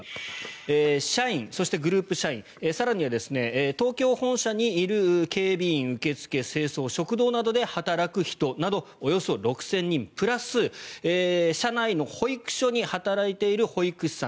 社員そしてグループ社員更には東京本社にいる警備員、受付、清掃食堂などで働く人などおよそ６０００人プラス、社内の保育所で働いている保育士さん。